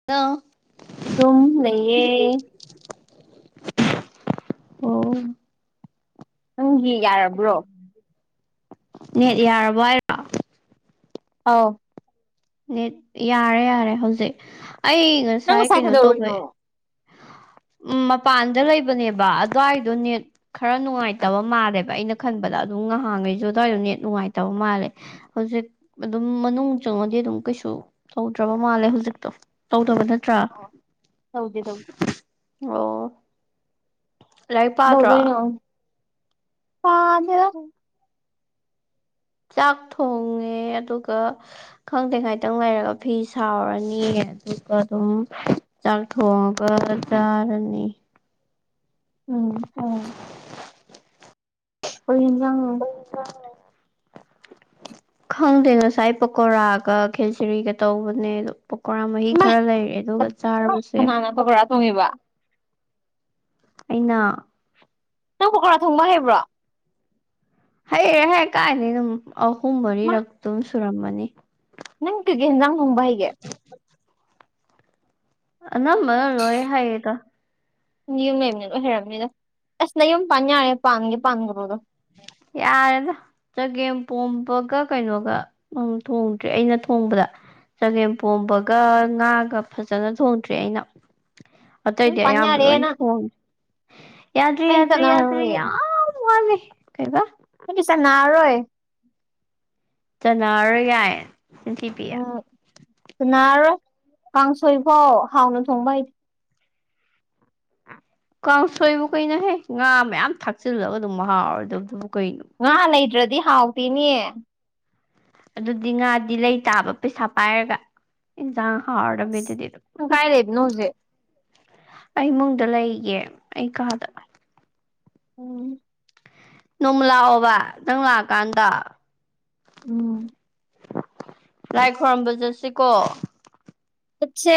[unintelligible] ꯗꯨꯝ ꯂꯩꯌꯦ [unintelligible] ꯑꯣ ꯅꯪꯒꯤ ꯌꯥꯔꯕ꯭ꯔꯣ ꯅꯦꯠ ꯌꯥꯔꯕ‌ꯣ ꯍꯥꯏ ꯑꯥꯎ ꯅꯦꯠ ꯌꯥꯔꯦ ꯌꯥꯔꯦ ꯍꯧꯖꯤꯛ ꯑꯩ ꯅꯪ ꯉꯁꯥꯏ ꯀꯩꯅꯣ ꯀꯩꯗꯧꯔꯤꯅꯣ ꯇꯧꯕꯩ ꯎꯝ ꯃꯄꯥꯟꯗ ꯂꯩꯕꯅꯦꯕ ꯑꯗꯨꯋꯥꯏꯗꯣ ꯅꯦꯠ ꯈꯔ ꯅꯨꯡꯉꯥꯏꯇꯕ ꯃꯥꯜꯂꯦꯕ ꯑꯩꯅ ꯈꯟꯕꯗ ꯑꯗꯨꯝ ꯉꯥꯏꯍꯥꯡꯉꯩꯁꯨ ꯑꯗꯨꯋꯥꯏꯗꯣ ꯅꯠ ꯅꯨꯡꯉꯥꯏꯇꯕ ꯃꯥꯜꯂꯦ ꯍꯧꯖꯤꯛ ꯑꯗꯨꯝ ꯃꯅꯨꯡ ꯆꯪꯉ ꯗꯤꯗꯨꯝ ꯀꯩꯁꯨ ꯇꯧꯗ꯭ꯔꯕ ꯃꯥꯜꯂꯦ ꯍꯧꯖꯤꯛꯇꯣ ꯇꯧꯗꯕ ꯅꯠ ꯥ ꯇ꯭ꯔꯥ ꯑꯣ ꯇꯧꯗꯦ ꯇꯧꯗꯦ ꯑꯣ ꯂꯥꯏꯔꯤꯛ ꯄꯥꯗ꯭ꯔꯣ ꯗꯧꯗꯣꯏꯅꯣ ꯍꯥꯠ ꯆꯥꯛ ꯊꯣꯡꯉꯦ ꯑꯗꯨꯒ ꯈꯪꯗꯦ ꯉꯥꯏꯇꯪ ꯂꯩꯔꯒ ꯐꯤ ꯁꯥꯥꯔꯨꯔꯅꯤ ꯑꯗꯨꯒ ꯑꯗꯨꯝ ꯆꯥꯡ ꯊꯣꯡꯉꯒ ꯆꯥꯔꯅꯤ ꯎꯝ ꯎꯝ ꯀꯩ ꯏꯟꯖꯥꯡꯅꯣ [unintelligible] ꯈꯪꯗꯦ ꯉꯁꯥꯏ ꯄꯥꯀꯣꯔꯥꯒ ꯈꯦꯆ꯭ꯔꯤꯒ ꯇꯧꯕꯅꯦ ꯑꯗꯣ ꯄꯥꯀꯣꯔꯥ ꯃꯍꯤ ꯏꯃꯥꯏ ꯈꯔ ꯂꯩꯔꯦ ꯑꯗꯨꯒ ꯆꯥꯔꯒꯨꯁꯦ ꯊꯣꯡꯉꯦꯕ ꯑꯩꯅ ꯅꯪ ꯄꯥꯀꯣꯔꯥ ꯊꯣꯡꯕ ꯍꯩꯕ꯭ꯔꯣ ꯍꯩꯔꯦꯍꯦ ꯀꯥꯏꯗꯩꯅꯣ ꯑꯝ ꯑꯍꯨꯝ ꯃꯥ ꯃꯔꯤꯔꯛꯇꯨꯝ ꯁꯨꯔꯝꯃꯅꯤ ꯅꯪ ꯀꯩꯀꯩ ꯍꯤꯟꯖꯥꯡ ꯊꯣꯡꯕ ꯍꯩꯒꯦ ꯑꯅꯝꯕꯅ ꯂꯣꯏ ꯍꯩꯗ ꯅꯌꯨꯝ ꯂꯩꯕꯅꯤ ꯂꯣꯏ ꯍꯩꯔꯝꯅꯤꯗ ꯑꯁ ꯅꯌꯨꯝ ꯄꯥꯟ ꯌꯥꯔꯦ ꯄꯥꯟꯒꯦ ꯄꯥꯟꯒ꯭ꯔꯣꯗ ꯌꯥꯔꯦꯗ ꯆꯒꯦꯝꯄꯣꯝꯕꯒ ꯀꯩꯅꯣꯒ ꯎꯝ ꯊꯣꯡꯗ꯭ꯔꯤ ꯑꯩꯅ ꯊꯣꯡꯕꯗ ꯆꯒꯦꯝꯄꯣꯝꯕꯒ ꯉꯥꯒ ꯐꯖꯅ ꯊꯣꯡꯗ꯭ꯔꯤ ꯑꯩꯅ ꯌꯨꯝ ꯑꯇꯩꯗꯤ ꯄꯥꯟ ꯑꯌꯥꯝꯕ ꯌꯥꯔꯦ ꯂꯣꯏꯟ ꯅꯪ ꯊꯣꯡꯉꯦ ꯌꯥꯗ꯭ꯔꯤ ꯑꯩꯗꯤ ꯌꯥꯗ꯭ꯔꯤ ꯌꯥꯗ꯭ꯔꯤ ꯆꯠꯅꯔꯔꯣꯏꯌꯦ ꯌꯥꯝ ꯋꯥꯠꯂꯤ ꯀꯩꯕ ꯅꯪꯗꯤ ꯆꯟꯅꯔꯔꯣꯏ ꯆꯟꯅꯔꯔꯣꯏ ꯒꯥꯏꯌꯦ ꯆꯤꯟꯊꯤꯕꯤ ꯆꯟꯅꯥꯔꯔꯣꯏ ꯀꯥꯡꯁꯣꯏ ꯐꯥꯎ ꯍꯥꯎꯅ ꯊꯣꯡꯕ ꯍꯩ ꯀꯥꯡꯁꯣꯏꯕꯨ ꯀꯩꯅꯣꯍꯦ ꯉꯥ ꯃꯌꯥꯝ ꯊꯥꯛꯆꯤꯜꯂꯒ ꯑꯗꯨꯝ ꯃꯍꯥꯎꯔꯣꯏꯗꯨꯕꯨ ꯀꯩꯅꯣ ꯉꯥ ꯂꯩꯇ꯭ꯔꯗꯤ ꯍꯥꯎꯇꯦꯅꯦ ꯑꯗꯨꯗꯤ ꯉꯥꯗꯤ ꯂꯩꯇꯥꯕ ꯄꯩꯁꯥ ꯄꯥꯏꯔꯒ ꯏꯟꯖꯥꯡ ꯍꯥꯎꯔꯗꯕꯤꯗꯨꯗꯤ ꯅꯪ ꯍꯨꯝ ꯀꯥꯏ ꯂꯩꯕꯅꯣ ꯍꯧꯖꯤꯛ ꯑꯩ ꯏꯃꯨꯡꯗ ꯂꯩꯔꯤꯌꯦ ꯑꯩ ꯀꯥꯗ ꯎꯝ ꯅꯣꯡꯃꯥ ꯂꯥꯛꯑꯣꯕ ꯅꯪ ꯂꯥꯛꯑꯀꯥꯟꯗ ꯎꯝ ꯂꯥꯏ ꯈꯣꯏꯔꯝꯕ ꯆꯠꯁꯤ ꯀꯣ ꯆꯠꯁꯦ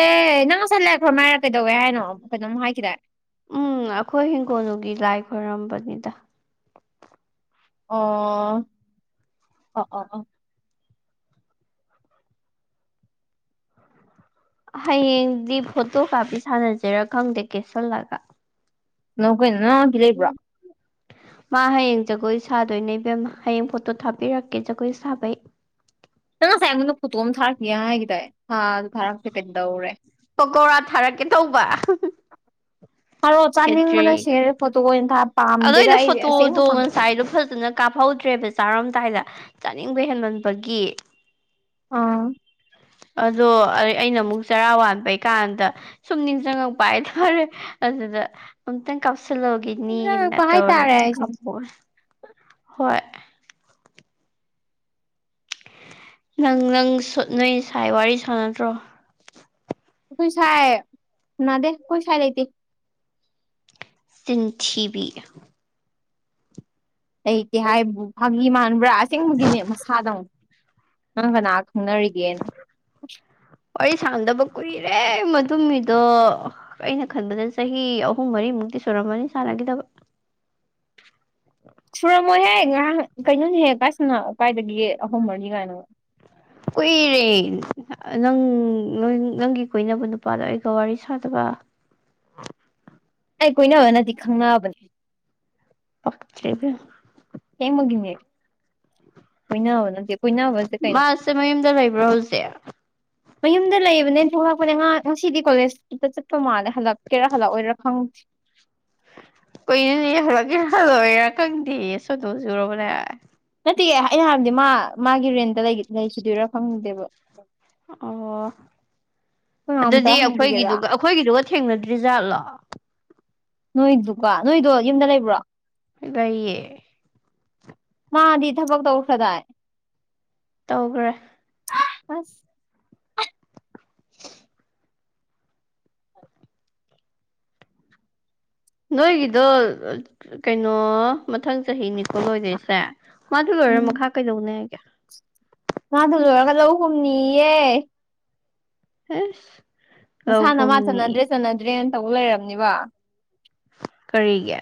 ꯅꯪ ꯂꯣꯁꯟ ꯂꯩꯔꯛꯄ꯭ꯔꯣ ꯃꯥꯏꯔ ꯀꯩꯗꯧꯋꯦ ꯍꯥꯏꯅꯣ ꯀꯩꯅꯣꯝ ꯍꯥꯏꯈꯤꯗꯥꯏ ꯎꯝ ꯑꯈꯣꯏ ꯍꯤꯡꯒꯣꯜꯅꯨꯡꯒꯤ ꯂꯥꯏ ꯈꯣꯏꯔꯝꯕꯅꯤꯗ ꯑꯣ ꯑꯣ ꯑꯣ ꯑꯣ ꯍꯌꯦꯡꯗꯤ ꯐꯣꯇꯣ ꯀꯥꯞꯄꯤ ꯁꯥꯟꯅꯖꯤꯔꯥ ꯈꯪꯗꯦ ꯀꯦꯁꯜꯂꯒ ꯅꯪ ꯀꯩꯅꯣ ꯅꯅꯥꯎꯄꯤ ꯂꯩꯕ꯭ꯔꯣ [unintelligible] ꯃꯥ ꯍꯌꯦꯡ ꯖꯒꯣꯏ ꯁꯥꯗꯣꯏꯅꯦ ꯏꯕꯦꯝ ꯍꯌꯦꯡ ꯐꯣꯇꯣ ꯊꯥꯕꯤꯔꯛꯀꯦ ꯖꯒꯣꯏ ꯁꯥꯕꯩ ꯅꯪ ꯉꯁꯥꯏ ꯑꯩꯉꯣꯟꯗ ꯐꯣꯇꯣ ꯑꯝ ꯊꯥꯔꯛꯀꯤꯌꯥꯏ ꯍꯥꯏꯒꯤꯗꯥꯏ ꯊꯥꯖꯨ ꯊꯥꯔꯛꯇꯦ ꯀꯩꯗꯧꯔꯦ ꯄꯥꯀꯧꯔꯥ ꯊꯥꯔꯛꯀꯦ ꯇꯧꯕ ꯊꯥꯔꯣ ꯆꯥꯅꯤꯡꯕꯅ ꯁꯤꯔꯦ ꯐꯣꯇꯣ ꯑꯣꯏꯅ ꯊꯥꯞ ꯑꯗꯣ ꯑꯩꯅ ꯐꯣꯇꯣꯗꯣ ꯉꯁꯥꯏꯗꯣ ꯐꯖꯅ ꯀꯥꯞꯍꯧꯗ꯭ꯔꯦꯕ ꯆꯥꯔꯝꯗꯥꯏꯗ ꯆꯥꯅꯤꯡꯕ ꯍꯦꯟꯃꯟꯕꯒꯤ ꯑꯣ ꯑꯗꯣ ꯑꯩ ꯑꯩꯅ ꯑꯃꯨꯛ ꯆꯔꯥ ꯋꯥꯟꯕꯩ ꯀꯥꯟꯗ ꯁꯨꯝ ꯅꯤꯡꯖꯡꯉꯛꯄ ꯍꯥꯏꯇꯥꯔꯦ ꯑꯗꯨꯗ ꯑꯝꯇꯪ ꯀꯥꯞꯁꯤꯜꯍꯧꯒꯦꯅꯦꯅ ꯅꯛꯄ ꯍꯥꯏꯇꯥꯔꯦ ꯇꯧꯔꯒ ꯑꯩꯁꯦ ꯀꯥꯞ ꯍꯣꯏ ꯅꯪ ꯅꯪ ꯁꯨꯠ ꯅꯣꯏ ꯁꯥꯏ ꯋꯥꯔꯤ ꯁꯥꯟꯅꯗ꯭ꯔꯣ ꯑꯩꯈꯣꯏ ꯁꯥꯏ ꯁꯅꯥꯗꯦ ꯑꯩꯈꯣꯏ ꯁꯥꯏ ꯂꯩꯇꯦ ꯆꯤꯟꯊꯤꯕꯤ ꯂꯩꯇꯦ ꯍꯥꯏꯕꯨ ꯐꯥꯒꯤ ꯃꯥꯟꯕ꯭ꯔꯥ ꯑꯁꯦꯡꯕꯒꯤꯅꯦ ꯃꯁꯥꯗ ꯍꯪꯉꯣ ꯅꯪ ꯀꯅꯥ ꯈꯪꯅꯔꯤꯒꯦꯅ ꯋꯥꯔꯤ ꯁꯥꯟꯗꯕ ꯀꯨꯏꯔꯦ ꯃꯗꯨ ꯃꯤꯗꯣ ꯑꯩꯅ ꯈꯟꯕꯗ ꯆꯍꯤ ꯑꯍꯨꯝ ꯃꯔꯤꯃꯨꯛꯇꯤ ꯁꯨꯔꯝꯃꯅꯤ ꯁꯥꯟꯅꯒꯤꯗꯕ [inaudible] ꯁꯨꯔꯝꯃꯣꯏꯍꯦ ꯉꯥꯏꯍꯥꯡ ꯀꯩꯅꯣꯅꯦꯍꯦ ꯀꯥꯏꯁꯤꯅ ꯀꯥꯏꯗꯒꯤ ꯑꯍꯨꯝ ꯃꯅꯤ ꯀꯥꯏꯅꯒ ꯀꯨꯏꯔꯦ ꯅꯪ ꯅꯪꯒꯤ ꯀꯣꯏꯅꯕ ꯅꯨꯄꯥꯗꯣ ꯑꯩꯒ ꯋꯥꯔꯤ ꯁꯥꯗꯕ ꯑꯩ ꯀꯣꯏꯅꯕ ꯅꯠꯇꯦ ꯈꯪꯅꯕꯅꯦ ꯄꯛꯇꯔ꯭ꯦ ꯏꯕꯦꯝꯃ ꯑꯁꯦꯡꯕꯒꯤꯅꯦ ꯀꯣꯏꯅꯕ ꯅꯠꯇꯦ ꯀꯣꯏꯅꯥꯕꯁꯦ ꯀꯩꯅꯣ ꯃꯥꯁꯦ ꯃꯌꯨꯝꯗ ꯂꯩꯕ꯭ꯔꯣ ꯍꯧꯖꯤꯛ ꯃꯌꯨꯝꯗ ꯂꯩꯕꯅꯦ ꯊꯣꯛꯂꯛꯄꯅꯦ ꯉꯍꯥꯛ ꯉꯁꯤꯗꯤ ꯀꯣꯂꯦꯖꯇ ꯆꯠꯄ ꯃꯥꯜꯂꯦ ꯍꯜꯂꯛꯀꯦꯔꯥ ꯍꯜꯂꯛꯑꯣꯏꯔꯥ ꯈꯪꯗꯦ ꯀꯩꯅꯣꯅꯦ ꯍꯜꯂꯛꯀꯦꯔꯥ ꯍꯜꯂꯛꯑꯣꯏꯔꯥ ꯈꯡꯗꯦꯌꯦ ꯁꯣꯅꯣ ꯆꯨꯔꯕꯣ ꯅꯪ ꯅꯠꯇꯦ ꯑꯩꯅ ꯍꯥꯏꯕꯗꯤ ꯃꯥ ꯃꯥꯒꯤ ꯔꯦꯟꯇ ꯂꯩ ꯂꯩꯈꯤꯗꯣꯏꯔꯥ ꯈꯡꯗꯦꯕ ꯑꯣ ꯅꯪ ꯑꯝꯇ ꯑꯗꯨꯗꯤ ꯍꯪꯕꯤꯒꯦꯔꯥ ꯑꯩꯈꯣꯏꯒꯤꯗꯨꯒ ꯑꯩꯈꯣꯏꯒꯤꯗꯨꯒ ꯊꯦꯡꯅꯗ꯭ꯔꯤꯖꯥꯠꯂꯣ ꯅꯣꯏꯗꯨꯒꯥ ꯅꯣꯏꯗꯣ ꯌꯨꯝꯗ ꯂꯩꯕ꯭ꯔꯣ ꯂꯩꯌꯦ ꯃꯥꯗꯤ ꯊꯕꯛ ꯇꯧꯈ꯭ꯔꯗꯥꯏ ꯇꯧꯒꯔ꯭ꯦ ꯑꯁ [inaudible] ꯅꯣꯏꯒꯤꯗꯣ ꯀꯩꯅꯣ ꯃꯊꯪ ꯆꯍꯤ ꯅꯤꯀꯣ ꯂꯣꯏꯗꯣꯏꯁꯦ ꯃꯥꯗꯨ ꯂꯣꯏꯔ ꯎꯝ ꯃꯈꯥ ꯀꯩꯗꯧꯅꯤ ꯍꯥꯏꯒꯦ ꯃꯥ ꯑꯗꯨ ꯂꯣꯏꯔꯒ ꯂꯧ ꯀꯨꯝꯅꯤꯌꯦ ꯍꯦꯁ ꯃꯁꯥꯅ ꯃꯥ ꯆꯟꯅꯗ꯭ꯔꯦ ꯆꯟꯅꯗ꯭ꯔꯦꯅ ꯇꯧ ꯂꯩꯔꯝꯅꯤꯕꯥ ꯀꯔꯤꯒꯦ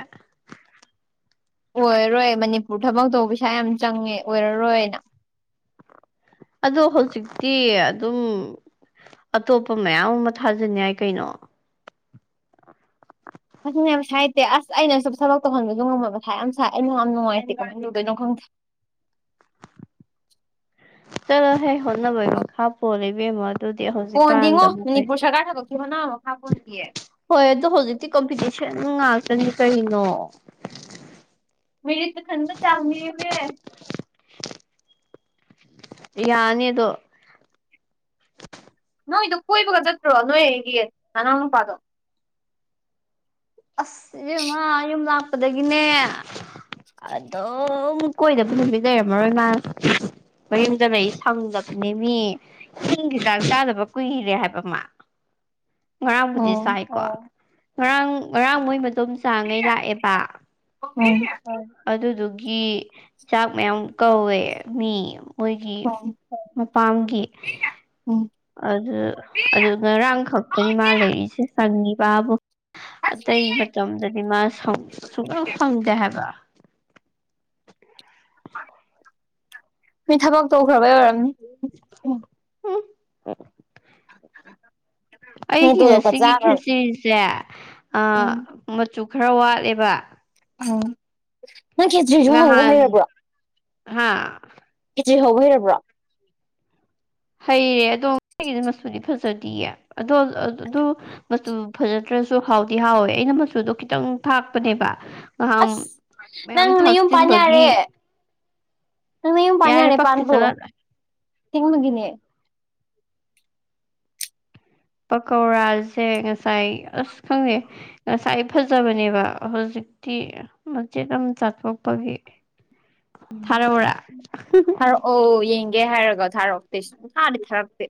ꯑꯣꯏꯔꯔꯣꯏ ꯃꯅꯤꯄꯨꯔ ꯊꯕꯛ ꯇꯧꯕ ꯄꯩꯁꯥ ꯌꯥꯝ ꯆꯪꯉꯦ ꯑꯣꯏꯔꯔꯣꯏꯅ ꯑꯗꯣ ꯍꯧꯖꯤꯛꯇꯤ ꯑꯗꯨꯝ ꯑꯇꯣꯞꯄ ꯃꯌꯥꯝ ꯑꯃ ꯊꯥꯖꯟ ꯌꯥꯏ ꯀꯩꯅꯣ ꯑꯗꯨꯅꯦꯕ ꯄꯩꯁꯥꯏꯇꯦ ꯑꯁ ꯑꯩꯅꯁꯨ ꯊꯕꯛ ꯇꯧꯍꯟꯕꯁꯨ ꯉꯝꯃꯣꯏ ꯃꯊꯥ ꯌꯥꯝ ꯁꯥꯏ ꯑꯩꯅ ꯉꯝ ꯅꯨꯉꯥꯏꯇꯦ ꯀꯃꯥꯏꯅ ꯇꯧꯗꯣꯏꯅꯣ ꯈꯪꯗꯦ ꯆꯠꯂꯣꯍꯦ ꯍꯣꯠꯅꯕꯩ ꯃꯈꯥ ꯄꯣꯜꯂꯤ ꯏꯕꯦꯝꯃꯥ ꯄꯣꯟꯗꯦꯉꯣ ꯃꯅꯤꯄꯨꯔ ꯁꯔꯀꯥꯔꯅ ꯈꯛꯀꯤ ꯍꯣꯠꯅꯕꯩ ꯃꯈꯥ ꯄꯣꯟꯗꯤꯌꯦ ꯍꯣꯏ ꯑꯗꯣ ꯍꯧꯖꯤꯛꯇꯤ ꯀꯝꯄꯤꯇꯤꯁꯟ ꯉꯥꯛꯇꯅꯤ ꯀꯩꯅꯣ ꯃꯦꯔꯤꯛꯇ ꯈꯟꯕ ꯆꯥꯡ ꯅꯦꯝꯃꯦ ꯌꯥꯅꯤ ꯑꯗꯣ ꯅꯣꯏꯗꯣ ꯀꯣꯏꯕꯒ ꯆꯠꯇ꯭ꯔꯣ ꯅꯣꯏ ꯑꯩꯒꯤ ꯅꯅꯥꯎ ꯅꯨꯄꯥꯗꯣ ꯑꯁ ꯏꯕ‌ꯦꯝꯃꯥ ꯌꯨꯝ ꯂꯥꯛꯄꯗꯒꯤꯅꯦ ꯑꯗꯨꯝ ꯀꯣꯏꯗꯕ ꯅꯨꯃꯤꯠ ꯂꯩꯔꯝꯃꯔꯣꯏ ꯃꯥꯅ ꯃꯌꯨꯝꯗ ꯂꯩ ꯁꯪꯗꯕꯅꯦꯃꯤ ꯌꯨꯝꯒꯤ ꯆꯥꯛ ꯆꯥꯗꯕ ꯀꯨꯏꯔꯦ ꯍꯥꯏꯕ ꯃꯥ ꯉꯔꯥꯡꯕꯨꯗꯤ ꯎꯝ ꯆꯥꯏꯀꯣ ꯉꯔꯥꯡ ꯉꯔꯥꯡ ꯃꯣꯏ ꯃꯗ‌ꯣꯝ ꯆꯥꯡꯉꯩ ꯂꯥꯛꯑꯦꯕ ꯎꯝ ꯑꯗꯨꯗꯨꯒꯤ ꯆꯥꯛ ꯃꯌꯥꯝ ꯀꯧꯋꯦ ꯃꯤ ꯃꯣꯏꯒꯤ ꯎꯝ ꯃꯄꯥꯝꯒꯤ ꯑꯣ ꯑꯗꯨ ꯑꯗꯨ ꯉꯔꯥꯡ ꯈꯛꯇꯅꯤ ꯃꯥ ꯂꯩꯔꯤꯁꯦ ꯁꯪꯉꯤꯕꯥꯕꯨ ꯑꯇꯩ ꯃꯇꯝꯗꯗꯤ ꯃꯥ ꯁꯪ ꯁꯨꯡꯁꯪ ꯁꯪꯗꯦ ꯍꯥꯏꯕ ꯃꯤ ꯊꯕꯛ ꯇꯧꯈ꯭ꯔꯕꯩ ꯑꯣꯏꯔꯝꯅꯤ ꯎꯝ ꯃꯤ ꯑꯩꯒꯤ ꯇꯣꯂꯣꯞꯀ ꯉꯁꯤꯒꯤ ꯆꯥꯈ꯭ꯔꯕꯅꯤ ꯈꯦꯆꯔꯤꯁꯦ ꯑ ꯎꯝ ꯃꯆꯨ ꯈꯔ ꯋꯥꯠꯂꯦꯕ ꯎꯡ ꯉꯍꯥꯟ ꯍꯥꯥ ꯈ‌ꯦꯆ꯭ꯔꯤ ꯍꯧꯕ ꯍꯩꯔꯕ꯭ꯔꯣ ꯍꯩꯔꯦ ꯑꯗꯣ ꯑꯩꯒꯤꯗꯤ ꯃꯆꯨꯗꯤ ꯐꯖꯗꯤꯌꯦ ꯑꯗꯣ ꯑꯗꯨ ꯃꯆꯨ ꯐꯖꯗ꯭ꯔꯁꯨ ꯍꯥꯎꯗꯤ ꯍꯥꯎꯋꯦ ꯑꯩꯅ ꯃꯆꯨꯗꯣ ꯈꯤꯇꯪ ꯊꯥꯛꯄꯅꯦꯕ ꯉꯍꯥꯝ ꯑꯁ ꯃꯌꯥꯝ ꯅꯪ ꯅꯌꯨꯝ ꯄꯥꯟ ꯊꯥꯛꯆꯤꯟꯕꯒꯤ ꯌꯥꯔꯦ ꯅꯪ ꯅꯌꯨꯝ ꯄꯥꯟ ꯌꯥꯔꯦ ꯄꯛꯇꯦ ꯄꯥꯟꯈ꯭ꯔꯣ ꯆꯠꯂ ꯑꯁꯦꯡꯕꯒꯤꯅꯦ ꯄꯀꯧꯔꯥꯁꯦ ꯉꯁꯥꯏ ꯑꯁ ꯈꯪꯗꯦ ꯉꯁꯥꯏ ꯐꯖꯕꯅꯦꯕ ꯍꯧꯖꯤꯛꯇꯤ ꯃꯆꯦꯠ ꯑꯝ ꯆꯥꯊꯣꯛꯄꯒꯤ ꯊꯥꯔꯛꯎꯔꯥ ꯊꯥꯔꯛꯑꯣ ꯌꯦꯡꯒꯦ ꯍꯥꯏꯔꯒ‌ꯦ ꯊꯥꯔꯛꯑꯣ ꯄ꯭ꯂꯤꯁ ꯁꯨꯛꯊꯥꯗꯤ ꯊꯥꯔꯛꯇꯦ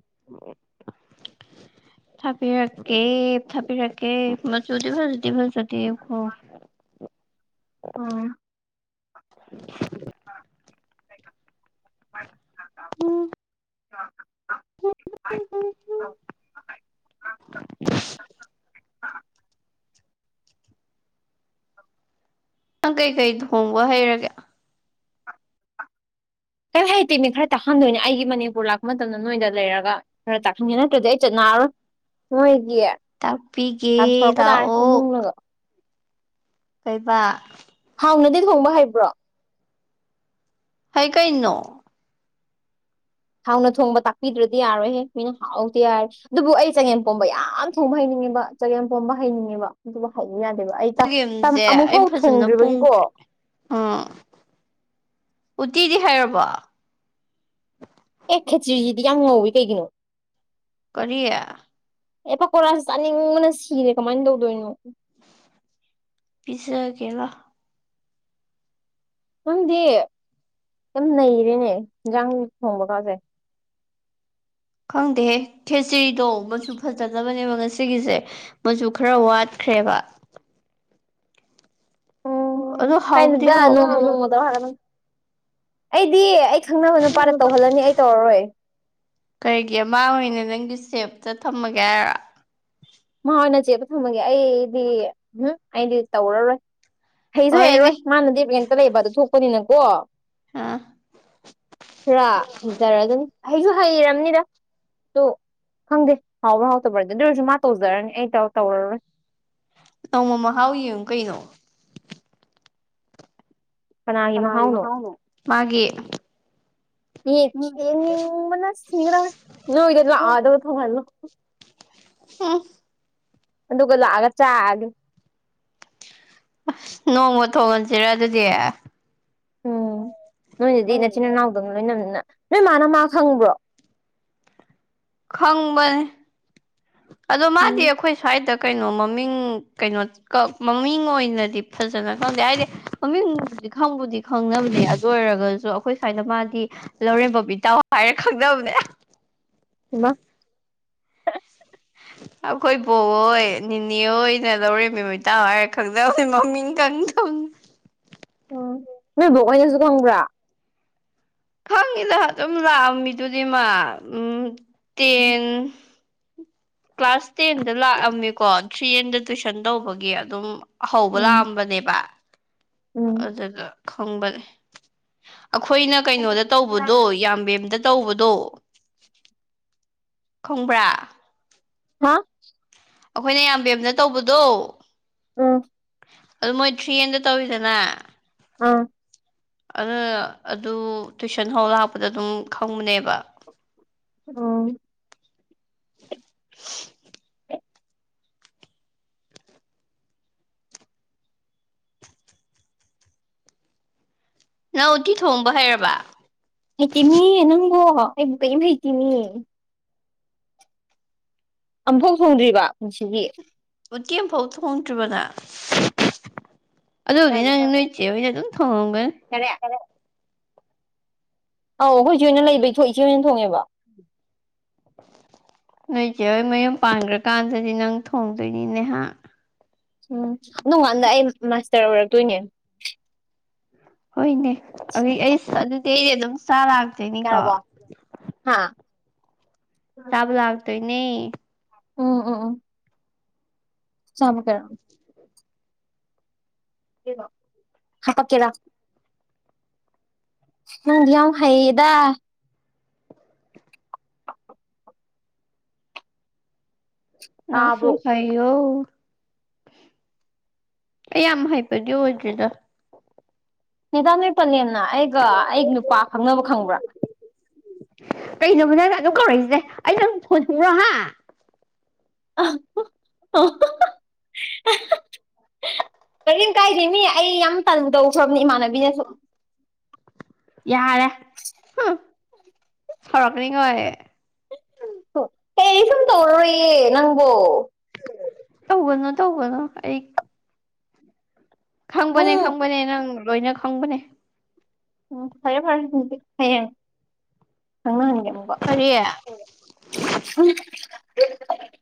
[inaudible] ꯊꯥꯕꯤꯔꯛꯀꯦ ꯊꯥꯕꯤꯔꯛꯀꯦ ꯃꯆꯨꯗꯤ ꯐꯖꯗꯤ ꯐꯖꯗ‌ꯦꯀ‌ꯣ ꯎꯝ [inaudible] [inaudible] ꯎꯝ [inaudible] [inaudible] [inaudible] ꯅꯪ ꯀꯩꯀꯩ ꯊꯣꯡꯕ ꯍꯩꯔꯒꯦ ꯀꯩꯝ ꯍꯩꯇꯦꯃꯤ ꯈꯔ ꯇꯥꯛꯍꯟꯗꯣꯏꯅꯦ ꯑꯩꯒꯤ ꯃꯅꯤꯄꯨꯔ ꯂꯥꯛꯄ ꯃꯇꯝꯗ ꯅꯣꯏꯗ ꯂꯩꯔꯒ ꯈꯔ ꯇꯥꯛꯍꯟꯒꯦ ꯅꯠꯇ꯭ꯔꯗꯤ ꯑꯩ ꯆꯠꯅꯔꯔꯣꯏ ꯃꯣꯏꯒꯤ ꯇꯥꯛꯄꯤꯒꯦ ꯇꯥꯟꯊꯣꯔꯛꯄ ꯇꯥꯔꯦ ꯂꯥꯛꯑꯣ ꯏꯃꯨꯡꯅꯒ ꯀꯩꯕ ꯍꯥꯎꯅꯗꯤ ꯊꯣꯡꯕ ꯍꯩꯕ꯭ꯔꯣ ꯑꯩ ꯀꯩꯅꯣ ꯍꯥꯎꯅ ꯊꯣꯡꯕ ꯇꯥꯛꯄꯤꯗ꯭ꯔꯗꯤ ꯌꯥꯔꯣꯏꯍꯦ ꯃꯤꯅ ꯍꯥꯎꯇꯦ ꯍꯥꯏ ꯑꯗꯨꯕꯨ ꯑꯩ ꯆꯒꯦꯝꯄꯣꯝꯕ ꯌꯥꯝ ꯊꯣꯡꯕ ꯍꯩꯅꯤꯡꯉꯦꯕ ꯆꯒꯦꯝ ꯄꯣꯝꯕ ꯍꯩꯅꯤꯡꯉꯦꯕ ꯑꯗꯨꯕꯨ ꯍꯩꯌꯨ ꯌꯥꯗꯦꯕ ꯑꯩ ꯇ ꯇꯝ ꯆꯒꯦꯝꯁꯦ ꯑꯃꯨꯛ ꯑꯩ ꯐꯥꯎ ꯐꯖꯅ ꯊꯣꯡꯗ꯭ꯔꯤꯕꯒꯤꯀꯣ ꯄꯨꯡꯗ꯭ꯔꯤ ꯎꯝ ꯎꯇꯤꯗꯤ ꯍꯩꯔꯕꯣ ꯑꯦ ꯈꯦꯆ꯭ꯔꯤꯁꯤꯗꯤ ꯌꯥꯝ ꯉꯧꯋꯤ ꯀꯩꯒꯤꯅꯣ ꯀꯔꯤ ꯑꯦ ꯄꯀꯣꯔꯥꯁꯤ ꯆꯥꯅꯤꯡꯕꯅ ꯁꯤꯔꯦ ꯀꯃꯥꯏꯅ ꯇꯧꯗꯣꯏꯅꯣ ꯄꯤꯖꯒꯦ ꯔꯣ ꯅꯪꯗꯤ ꯌꯥꯝ ꯅꯩꯔꯦꯅꯦ ꯍꯤꯟꯖꯥꯡ ꯊꯣꯡꯕ ꯀꯥꯖꯦ ꯈꯪꯗꯦꯍꯦ ꯈꯦꯆ꯭ꯔꯤꯗꯣ ꯃꯆꯨ ꯐꯖꯗꯕꯅꯦꯕ ꯉꯁꯤꯒꯤꯁꯦ ꯃꯆꯨ ꯈꯔ ꯋꯥꯠꯈ꯭ꯔꯦꯕ ꯎꯝ ꯑꯗꯣ ꯍꯥꯎꯕꯨꯗꯤ ꯀꯩꯅꯣꯗ ꯅꯣꯡꯃ ꯍꯥꯎꯕꯅꯦ ꯅꯣꯡꯃ ꯇꯧꯔ ꯍꯩꯔꯛꯀꯗꯕꯅꯤ ꯑꯩꯗꯤ ꯑꯩ ꯈꯪꯅꯕ ꯅꯨꯄꯥꯗ ꯇꯧꯍꯜꯂꯅꯤ ꯑꯩ ꯇꯧꯔꯔꯣꯏ ꯀꯩꯒꯤ ꯃꯥ ꯑꯣꯏꯅ ꯅꯪꯒꯤ ꯁꯦꯞꯇ ꯊꯝꯃꯒꯦ ꯍꯥꯏꯔꯥ ꯃꯥ ꯑꯣꯏꯅ ꯆꯦꯞꯇ ꯊꯝꯃꯒꯦ ꯑꯩꯗꯤ ꯎꯝꯍꯨꯝ ꯑꯩꯗꯤ ꯇꯧꯔꯔꯣꯏ ꯍꯩꯁꯨ ꯍꯩꯔꯔꯣꯏ ꯍꯣꯏꯅꯦ ꯃꯥꯅꯗꯤ ꯔꯦꯟꯇ ꯂꯩꯕꯗꯨ ꯊꯣꯛꯄꯅꯤꯅꯀꯣ ꯑꯥ ꯈꯔ ꯍꯩꯖꯔꯖꯅꯤ ꯍꯩꯁꯨ ꯍꯩꯔꯝꯅꯤꯗ ꯑꯗꯨ ꯈꯪꯗꯦ ꯍꯥꯎꯕ꯭ꯔꯥ ꯍꯥꯎꯇꯕ꯭ꯔꯥꯗꯤ ꯑꯗꯨ ꯑꯣꯏꯔꯁꯨ ꯃꯥ ꯇꯧꯖꯔꯅꯤ ꯑꯩ ꯇꯧ ꯇꯧꯔꯔꯣꯏ ꯅꯣꯡꯃ ꯃꯍꯥꯎ ꯌꯦꯡꯉꯨ ꯀꯩꯅꯣ ꯀꯅꯥꯒꯤ ꯃꯍꯥꯎꯅꯣ ꯃꯥꯒꯤ ꯌꯦ ꯎꯝ ꯌꯦꯡꯅꯤꯡꯕꯅ ꯁꯤꯒꯗꯧꯔꯦ ꯅꯣꯏꯗ ꯂꯥꯛꯑꯣ ꯑꯗꯨꯒ ꯊꯣꯡꯍꯜꯂꯣ ꯍꯨꯝ ꯑꯗꯨꯒ ꯂꯥꯛꯑꯒ ꯆꯥꯑꯒꯦ ꯑꯁ ꯅꯣꯡꯃ ꯊꯣꯡꯍꯟꯁꯤꯔꯥ ꯑꯗꯨꯗꯤ ꯎꯝ ꯅꯣꯏꯅꯗꯤ ꯅꯆꯤꯟ ꯏꯅꯥꯎꯗꯧꯅ ꯂꯣꯏꯅꯕꯅꯤꯅ ꯅꯣꯏ ꯃꯥꯅ ꯃꯥ ꯈꯪꯕ꯭ꯔꯣ ꯈꯪꯕꯅꯦ ꯑꯗꯣ ꯃꯥꯗꯤ ꯎꯝ ꯑꯩꯈꯣꯏ ꯁ꯭ꯋꯥꯏꯗ ꯀꯩꯅꯣ ꯃꯃꯤꯡ ꯀꯩꯅꯣ ꯀ ꯃꯃꯤꯡ ꯑꯣꯏꯅꯗꯤ ꯐꯖꯅ ꯈꯪꯗꯦ ꯍꯥꯏꯗꯤ ꯃꯃꯤꯡꯕꯨꯗꯤ ꯈꯪꯕꯨꯗꯤ ꯈꯪꯅꯕꯅꯦ ꯑꯗꯨ ꯑꯣꯏꯔꯒꯁꯨ ꯑꯩꯈꯣꯏ ꯁ꯭ꯋꯥꯏꯗ ꯃꯥꯗꯤ ꯂꯧꯔꯦꯝꯕꯝ ꯏꯇꯥꯎ ꯍꯥꯏꯔ ꯈꯪꯅꯕꯅꯦ ꯍꯩꯃꯥ [unintelligible] ꯑꯈꯣꯏ ꯕꯣꯛꯍꯣꯏ ꯅꯤꯅꯦ ꯍꯣꯏꯅ ꯂꯧꯔꯦꯝꯕꯝ ꯏꯇꯥꯎ ꯍꯥꯏꯔ ꯈꯪꯅꯕꯅꯦ ꯃꯃꯤꯡ ꯈꯪꯗꯕꯅꯦ ꯎꯝ ꯅꯣꯏ ꯕꯣꯛ ꯍꯣꯏꯅꯁꯨ ꯈꯪꯕ꯭ꯔꯥ ꯈꯪꯉꯤꯗ ꯑꯗꯨꯝ ꯂꯥꯛꯑꯝꯃꯤꯗꯨꯗꯤ ꯃꯥ ꯎꯝ ꯎꯝ ꯇꯦꯟ ꯀ꯭ꯂꯥꯁ ꯇꯦꯟꯗ ꯂꯥꯛꯑꯝꯃꯤꯀꯣ ꯊ꯭ꯔꯤ ꯑꯦꯟꯗ ꯇꯨꯏꯁꯟ ꯇꯧꯕꯒꯤ ꯑꯗꯨꯝ ꯑ ꯍꯧꯕ ꯎꯝ ꯂꯥꯛꯑꯝꯕꯅꯦꯕ ꯎꯝ ꯑꯗꯨ ꯑꯗꯨꯗ ꯈꯪꯕꯅꯦ ꯑꯈꯣꯏꯅ ꯀꯩꯅꯣꯗ ꯇꯧꯕꯗꯣ ꯌꯥꯝꯕꯦꯝꯗ ꯇꯧꯕꯗꯣ ꯈꯪꯕ꯭ꯔꯥ [unintelligible] ꯑꯈꯣꯏꯅ ꯌꯥꯝꯕꯦꯝꯗ ꯇꯧꯕꯗꯣ ꯎꯝ ꯑꯗꯨ ꯃꯣꯏ ꯊ꯭ꯔꯤ ꯑꯦꯟꯗ ꯇꯧꯋꯤꯗꯅ ꯑꯥ ꯑꯗꯨꯅ ꯑꯗꯨ ꯇꯨꯏꯁꯟ ꯍꯧ ꯂꯥꯛꯄꯗ ꯑꯗꯨꯝ ꯈꯪꯕꯅꯦꯕ ꯎꯝ ꯅꯪ ꯎꯇꯤ ꯊꯣꯡꯕ ꯍꯩꯔꯕ ꯍꯩꯇꯦꯃꯤ ꯅꯪꯕꯣ ꯑꯩꯕꯨ ꯀꯩꯏꯝ ꯍꯩꯇꯦꯃꯤ ꯑꯝꯐꯥꯎ ꯊꯣꯡꯗ꯭ꯔꯤꯕ ꯄꯨꯟꯁꯤꯒꯤ ꯎꯇꯤ ꯑꯃꯐꯥꯎ ꯊꯣꯡꯗ꯭ꯔꯤꯕ ꯅꯪ ꯑꯗꯨꯕꯨꯗꯤ ꯅꯪꯅ ꯅꯣꯏ ꯆꯦꯍꯣꯏꯅ ꯑꯗꯨꯝ ꯊꯣꯡꯉꯝꯒꯅꯤ ꯌꯥꯔꯦ ꯑꯧ ꯑꯩꯈꯣꯏ ꯏꯆꯦ ꯈꯣꯏꯅ ꯂꯩꯕꯩ ꯏꯆꯦ ꯈꯣꯏꯅ ꯊꯣꯡꯉꯦꯕ꯫ ꯅꯣꯏ ꯏꯆꯦ ꯍꯣꯏ ꯃꯌꯨꯝ ꯄꯥꯟꯈ꯭ꯔꯀꯥꯟꯗꯗꯤ ꯅꯪ ꯊꯣꯡꯗꯣꯏꯅꯤꯅꯦ ꯍꯥ꯫ ꯎꯝ ꯅꯣꯡꯀꯥꯟꯗ ꯑꯩ ꯃꯥꯁꯇꯔ ꯑꯣꯏꯔꯛꯇꯣꯏꯅꯦ꯫ ꯍꯣꯏꯅꯦ ꯑꯗꯨ ꯑꯩꯁ ꯑꯗꯨꯗꯤ ꯑꯩꯗꯤ ꯑꯗꯨꯝ ꯆꯥ ꯂꯥꯛꯇꯣꯏꯅꯤꯀꯣ꯫ ꯌꯥꯔꯕꯣ ꯍꯥ ꯆꯥꯕ ꯂꯥꯛꯇꯣꯏꯅꯦ꯫ ꯑꯣ ꯑꯣ ꯑꯣ [unintelligible] ꯍꯥꯄꯛ ꯀꯦꯔꯥ? ꯅꯪꯗꯤ ꯌꯥꯝ ꯍꯩꯌꯦꯗ꯫ ꯅꯪꯁꯨ ꯇꯥꯕ꯭ꯔꯣ ꯍꯩ ꯑꯩ ꯌꯥꯝ ꯍꯩꯕꯗꯤ ꯑꯣꯏꯗ꯭ꯔꯤꯗ꯫ ꯅꯦꯗꯥ ꯅꯣꯏ ꯄꯂꯦꯝꯅ ꯑꯩꯒ ꯑꯩ ꯅꯨꯄꯥ ꯈꯪꯅꯕ ꯈꯪꯕ꯭ꯔꯥ? ꯀꯩꯅꯣꯕ ꯅꯪ ꯑꯗꯨꯝ ꯀꯧꯔꯛꯏꯖꯦ ꯑꯩ ꯅꯪ ꯐꯣꯟ꯭ꯔꯣꯍꯥ [unintelligible] ꯀꯔꯤꯝ ꯀꯥꯏꯗꯦ ꯃꯤ ꯑꯩ ꯌꯥꯝ ꯇꯟꯗꯧꯈ꯭ꯔꯕꯅꯤ ꯏꯃꯥꯟꯅꯕꯤꯅꯁꯨ꯫ ꯌꯥꯔꯦ, ꯁꯧꯔꯛꯀꯅꯤ ꯀꯣ ꯑꯩ ꯀꯩ ꯁꯨꯝ ꯇꯧꯔꯣꯏꯌꯦ ꯅꯪꯕꯣ꯫ ꯇꯧꯒꯅꯨ ꯇꯧꯒꯅꯨ ꯑꯩ ꯈꯪꯕꯅꯦ ꯎꯝ ꯈꯪꯕꯅꯦ ꯅꯪ ꯂꯣꯏꯅ ꯈꯪꯕꯅꯦ꯫ ꯎꯝ ꯐꯔꯦ ꯐꯔꯦ ꯑꯗꯨꯗꯤ ꯍꯌꯦꯡ ꯈꯪꯅꯍꯟꯒꯦ ꯑꯃꯨꯛꯀ꯫ ꯀꯔꯤ [unintelligible]